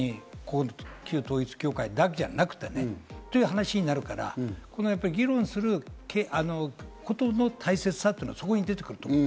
旧統一教会だけじゃなくてね、という話になるから。議論することの大切さというのが、そこに出てくると思う。